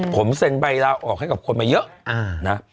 ผมเซ็นใบลาออกให้กับคนมาเยอะนะ